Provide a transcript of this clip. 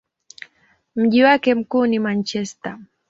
Mji wake mkuu ni Manchester.